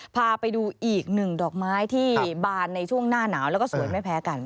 พาไปดูอีกหนึ่งดอกไม้ที่บานในช่วงหน้าหนาวแล้วก็สวยไม่แพ้กัน